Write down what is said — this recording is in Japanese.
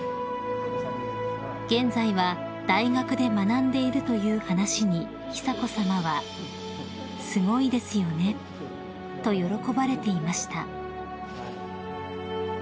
［現在は大学で学んでいるという話に久子さまは「すごいですよね」と喜ばれていました］